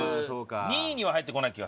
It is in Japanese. ２位には入ってこない気がする。